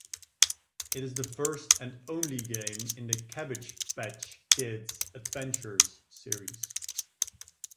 It is the first and only game in the "Cabbage Patch Kids Adventures" series.